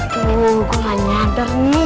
tuh kok gak nyadar nih